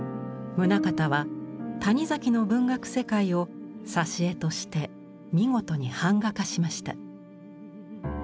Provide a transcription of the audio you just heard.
棟方は谷崎の文学世界を挿絵として見事に板画化しました。